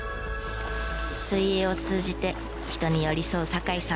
水泳を通じて人に寄り添う酒井さん。